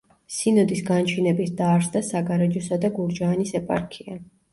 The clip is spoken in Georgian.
სინოდის განჩინებით დაარსდა საგარეჯოსა და გურჯაანის ეპარქია.